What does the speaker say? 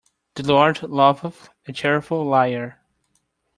The Lord loveth a cheerful liar.